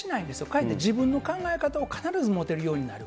かえって自分の考え方を必ず持てるようになる。